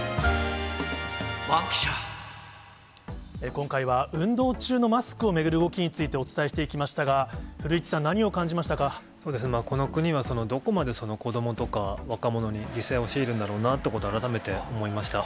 今回は運動中のマスクを巡る動きについてお伝えしていきましたが、古市さん、そうですね、この国はどこまで、子どもとか若者に犠牲を強いるんだろうなということを改めて思いました。